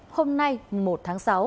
hôm nay một tháng sáu